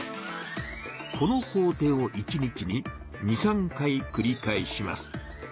この工程を一日に２３回くり返します。